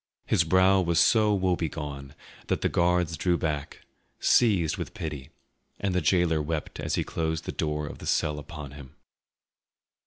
His brow was so woebegone that the guards drew back, seized with pity, and the gaoler wept as he closed the door of the cell upon him.